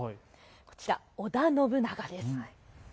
こちら、織田信長です。